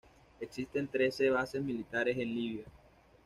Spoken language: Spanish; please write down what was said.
Existen trece bases militares en Libia.